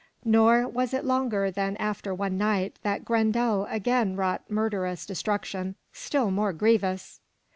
Nor was it longer than after one night that Grendel again wrought murderous destruction still more grievous.